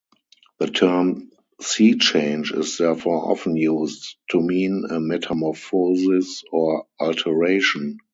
The term sea-change is therefore often used to mean a metamorphosis or alteration.